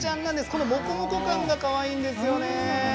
このモコモコ感がかわいいんですよね。